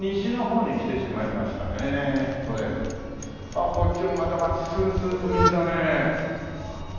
あっこっちもまた真っすぐ続く道だね。